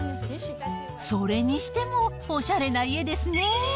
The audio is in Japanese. それにしても、おしゃれな家ですね。